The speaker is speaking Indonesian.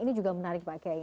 ini juga menarik pak kiai